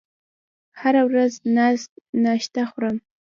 هره ورځ ناشته خورم